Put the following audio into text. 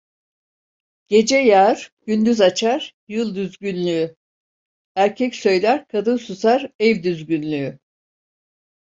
Gece yağar gündüz açar, yıl düzgünlüğü; erkek söyler kadın susar, ev düzgünlüğü.